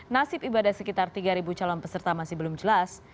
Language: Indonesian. nasib ibadah sekitar tiga calon peserta masih belum jelas